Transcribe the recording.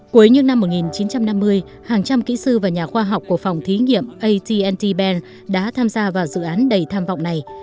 cuối những năm một nghìn chín trăm năm mươi hàng trăm kỹ sư và nhà khoa học của phòng thí nghiệm at ben đã tham gia vào dự án đầy tham vọng này